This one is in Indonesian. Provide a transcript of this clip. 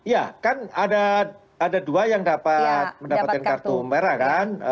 ya kan ada dua yang dapat mendapatkan kartu merah kan